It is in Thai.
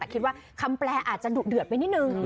แต่คิดว่าคำแปรอาจจะดุเดือดไปหนึ่ง